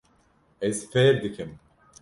Ez fêr dikim.